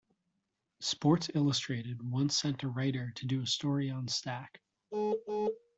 "Sports Illustrated" once sent a writer to do a story on Stack.